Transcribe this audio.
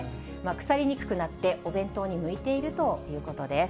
腐りにくくなって、お弁当に向いているということです。